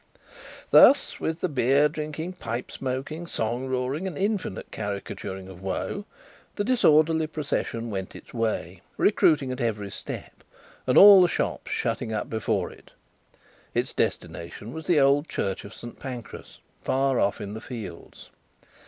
Thus, with beer drinking, pipe smoking, song roaring, and infinite caricaturing of woe, the disorderly procession went its way, recruiting at every step, and all the shops shutting up before it. Its destination was the old church of Saint Pancras, far off in the fields.